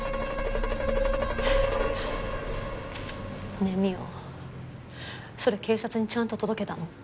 ねえ望緒それ警察にちゃんと届けたの？